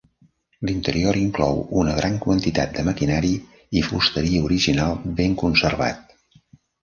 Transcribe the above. L'interior inclou una gran quantitat de maquinari i fusteria original ben conservat.